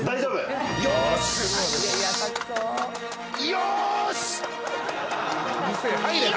よし！